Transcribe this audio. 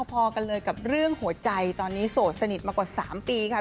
พอกันเลยกับเรื่องหัวใจตอนนี้โสดสนิทมากว่า๓ปีค่ะ